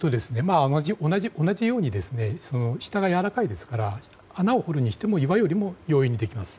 同じように下がやわらかいですから穴を掘るにしても岩よりも容易にできます。